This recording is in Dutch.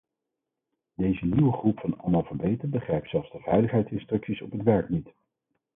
Deze nieuwe groep van analfabeten begrijpt zelfs de veiligheidsinstructies op het werk niet.